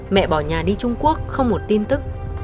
mẹ bỏ nhà đi trung quốc không một tin tức